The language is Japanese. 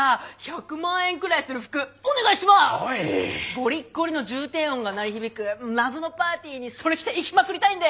ゴリッゴリの重低音が鳴り響く謎のパーティーにそれ着て行きまくりたいんで！